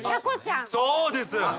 そうです。